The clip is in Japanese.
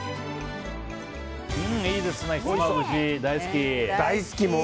大好き！